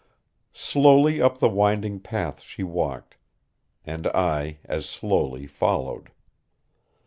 Slowly up the winding path she walked, and I as slowly followed.